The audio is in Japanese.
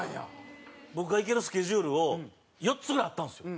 僕が行けるスケジュールを４つぐらいあったんですよ。